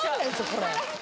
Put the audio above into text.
これ。